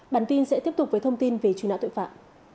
bản tin sẽ tiếp tục với thông tin về truy nã tội phạm